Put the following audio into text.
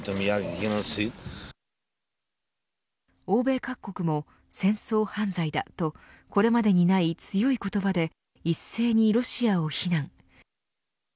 欧米各国も戦争犯罪だとこれまでにない強い言葉で一斉にロシアを非難。